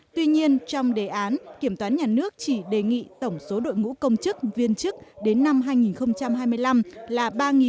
tuy nhiên trong đề án kiểm toán nhà nước chỉ đề nghị tổng số đội ngũ công chức viên chức đến năm hai nghìn hai mươi năm là